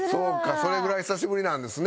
それぐらい久しぶりなんですね。